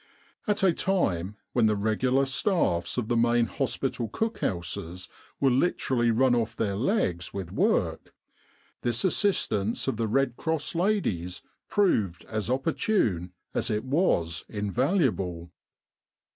At a time when the regular staffs of the main hospital cook houses were literally run off their legs with work, this assistance of the* Red Cross ladies proved as opportune as it was invaluable.